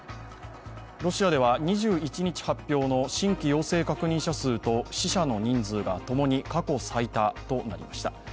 ロシアでは２１日発表の新規陽性確認者数と死者の人数が共に過去最多となりました。